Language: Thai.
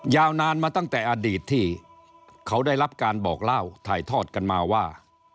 ยาวนานมาตั้งแต่อดีตที่เขาได้รับการบอกเล่าถ่ายทอดกันมาว่า